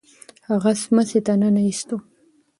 هغه سمڅې ته ننه ایستو.